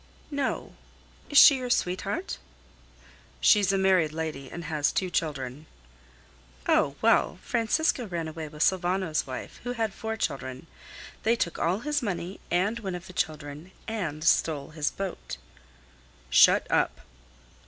"No. Is she your sweetheart?" "She's a married lady, and has two children." "Oh! well! Francisco ran away with Sylvano's wife, who had four children. They took all his money and one of the children and stole his boat." "Shut up!"